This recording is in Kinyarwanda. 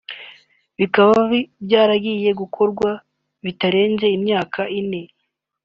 nikaba byarangiye gukorwa bitarenze imyaka ine